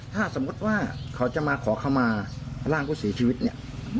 ถ้าสมมุติว่าเขาจะมาขอเข้ามาร่างผู้เสียชีวิตเนี่ย